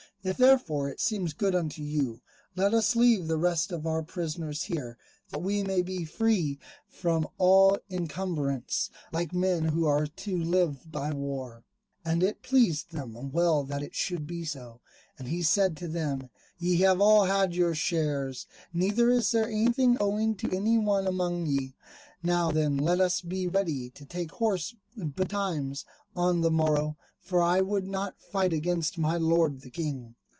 If therefore it seem good unto you, let us leave the rest of our prisoners here, that we may be free from all encumbrance, like men who are to live by war." And it pleased them well that it should be so. And he said to them, "Ye have all had your shares, neither is there anything owing to any one among ye. Now then let us be ready to take horse betimes on the morrow, for I would not fight against my Lord the King."